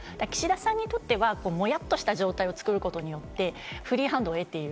岸田さんにとっては、もやっとした状態を作ることによって、フリーハンドを得ている。